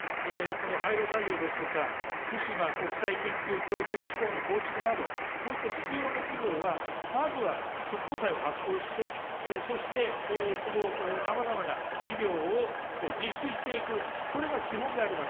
廃炉作業ですとか、福島国際研究教育機構の構築など、こうした必要な事業は、まずは、復興債を発行して、そしてさまざまな事業を実施していく、これが基本であります。